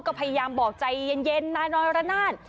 ก็พยายามบอกใจเย็นนรนาฬ